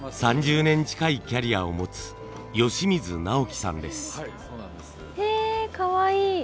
３０年近いキャリアを持つへかわいい。